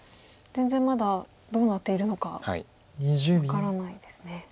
全然まだどうなっているのか分からないですね。